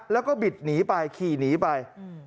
แล้วก็บิดหนีไปขี่หนีไป